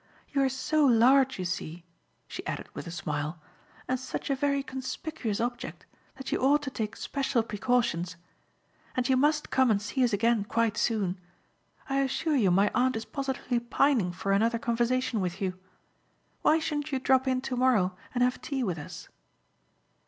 "You are so large, you see," she added with a smile, "and such a very conspicuous object that you ought to take special precautions. And you must come and see us again quite soon. I assure you my aunt is positively pining for another conversation with you. Why shouldn't you drop in to morrow and have tea with us?"